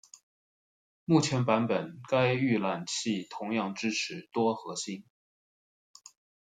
目前版本该预览器同样支持多核心。